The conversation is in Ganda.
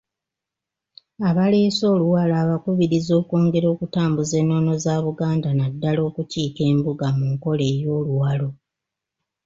Abaleese oluwalo abakubiriza okwongera okutambuuza ennono za Buganda naddala okukiika Embuga mu nkola ey'Oluwalo.